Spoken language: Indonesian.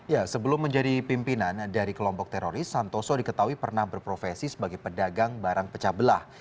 ya sebelum menjadi pimpinan dari kelompok teroris santoso diketahui pernah berprofesi sebagai pedagang barang pecah belah